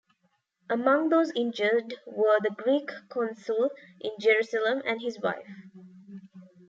Among those injured were the Greek consul in Jerusalem and his wife.